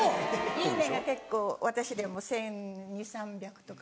「いいね」が結構私でも１２００１３００とか。